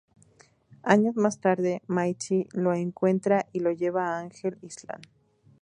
Años más tarde, Mighty lo encuentra y lo lleva a Angel Island.